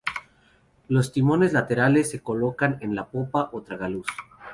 Los timones laterales se colocan en la popa o tragaluz.